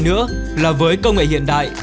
nữa là với công nghệ hiện đại